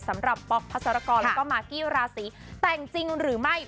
ป๊อกพัสรกรแล้วก็มากกี้ราศีแต่งจริงหรือไม่